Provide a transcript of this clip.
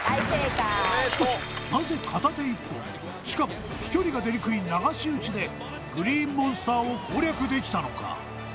しかしなぜ片手一本しかも飛距離が出にくい流し打ちでグリーンモンスターを攻略できたのか